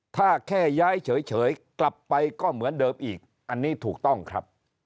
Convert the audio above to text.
ถ้าแค่ย้ายเฉยกลับไปก็เหมือนเดิมอีกอันนี้ถูกต้องครับ